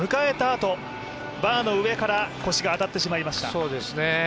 あとバーの上から腰が当たってしまいました。